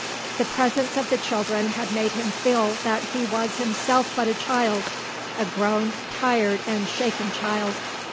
The presence of the children had made him feel that he was himself but a child, a grown tired and shaken child.